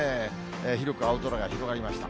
広く青空が広がりました。